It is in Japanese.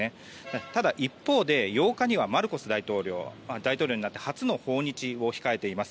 ただ一方で、８日にはマルコス大統領が大統領になって初の訪日を控えています。